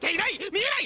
見えない！